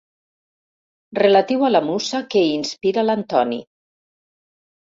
Relatiu a la musa que inspira l'Antoni.